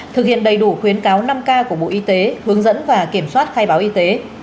thực hiện đầy đủ khuyến cáo năm k của bộ y tế hướng dẫn và kiểm soát khai báo y tế